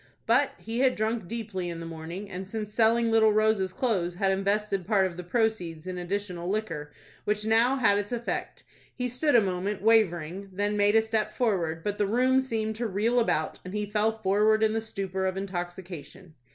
But he had drunk deeply in the morning, and since selling little Rose's clothes, had invested part of the proceeds in additional liquor, which now had its effect. He stood a moment wavering, then made a step forward, but the room seemed to reel about, and he fell forward in the stupor of intoxication.